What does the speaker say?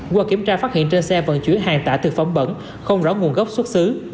qua kiểm tra phát hiện trên xe vận chuyển hàng tạ thực phẩm bẩn không rõ nguồn gốc xuất xứ